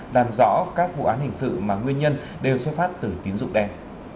làm rõ các vụ án hình sự mà nguyên nhân đều xuất phát từ tín dụng đen